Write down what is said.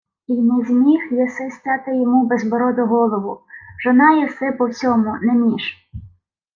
— Й не зміг єси стяти йому безбороду голову! Жона єси по всьому, не між.